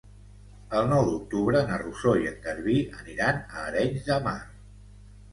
El nou d'octubre na Rosó i en Garbí aniran a Arenys de Mar.